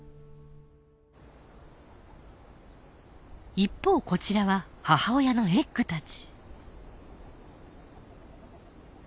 一方こちらは母親のエッグたち。